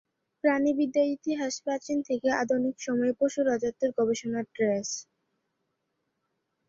প্রাণিবিদ্যা ইতিহাস প্রাচীন থেকে আধুনিক সময়ে পশু রাজত্বের গবেষণা ট্রেস।